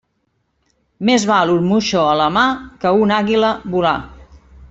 Més val un moixó a la mà que una àguila volar.